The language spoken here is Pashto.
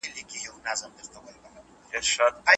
څېړنه د کوم ترتیب پر بنسټ روانه وي؟